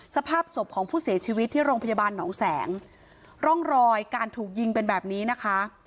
สภาพศพของผู้เสียชีวิตที่โรงพยาบาลหนองแสงร่องรอยการถูกยิงเป็นแบบนี้นะคะ